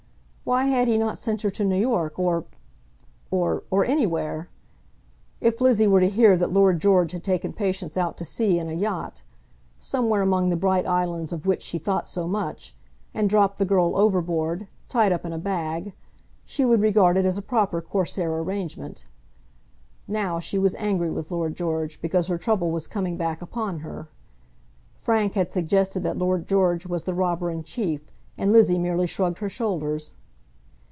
Why had he not sent her to New York, or or or anywhere? If Lizzie were to hear that Lord George had taken Patience out to sea in a yacht, somewhere among the bright islands of which she thought so much, and dropped the girl overboard, tied up in a bag, she would regard it as a proper Corsair arrangement. Now she was angry with Lord George because her trouble was coming back upon her. Frank had suggested that Lord George was the robber in chief, and Lizzie merely shrugged her shoulders.